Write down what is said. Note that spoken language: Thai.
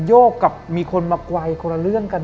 โยกกับมีคนมากวัยคนละเรื่องกัน